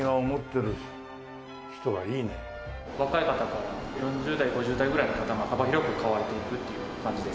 若い方から４０代５０代ぐらいの方まで幅広く買われていくっていう感じですね。